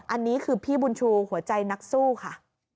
อันนี้คือพี่บุญชูหัวใจนักสู้ค่ะ